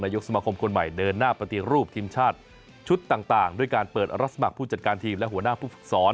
ยกสมาคมคนใหม่เดินหน้าปฏิรูปทีมชาติชุดต่างด้วยการเปิดรับสมัครผู้จัดการทีมและหัวหน้าผู้ฝึกสอน